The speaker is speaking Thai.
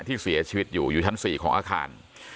ที่เสียชีวิตอยู่อยู่ชั้น๔ของอาคาร